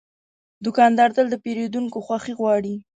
دوکاندار تل د پیرودونکو خوښي غواړي.